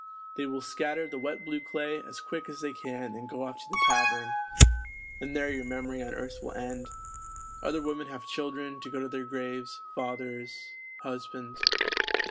They will scatter the wet blue clay as quick as they can and go off to the tavern ... and there your memory on earth will end; other women have children to go to their graves, fathers, husbands.